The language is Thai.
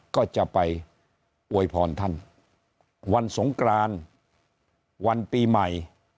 ก็จะไปอวยพรท่านวันสงกรานวันปีใหม่